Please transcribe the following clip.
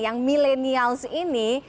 yang milenials ini